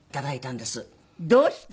どうして？